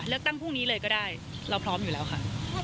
เลือกตั้งพรุ่งนี้เลยก็ได้เราพร้อมอยู่แล้วค่ะ